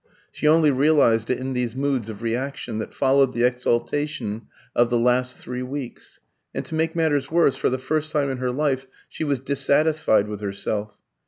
She only realised it in these moods of reaction that followed the exaltation of the last three weeks. And to make matters worse, for the first time in her life she was dissatisfied with herself.